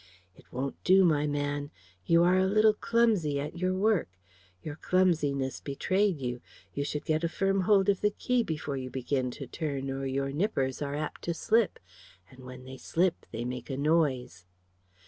It won't do, my man. You are a little clumsy at your work. Your clumsiness betrayed you. You should get a firm hold of the key before you begin to turn, or your nippers are apt to slip, and when they slip they make a noise."